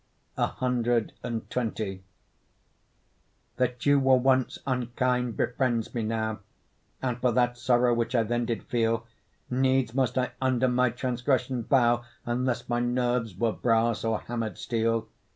CXX That you were once unkind befriends me now, And for that sorrow, which I then did feel, Needs must I under my transgression bow, Unless my nerves were brass or hammer'd steel.